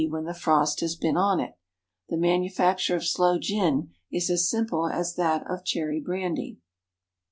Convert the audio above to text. _ when the frost has been on it. The manufacture of sloe gin is as simple as that of cherry brandy.